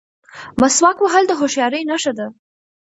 مسواک وهل د هوښیارۍ نښه ده.